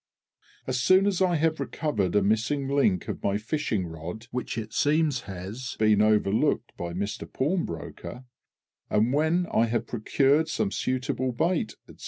As soon as I have recovered a missing link of my fishing rod (which it seems has been overlooked by Mister Pawnbroker), and when I have procured some suitable bait, &c.